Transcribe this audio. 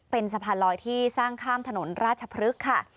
เป็นสะพานลอยที่สร้างข้ามถนนราชพฤกษ์ค่ะ